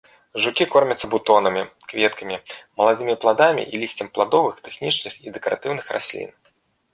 Жукі кормяцца бутонамі, кветкамі, маладымі, пладамі і лісцем пладовых, тэхнічных і дэкаратыўных раслін.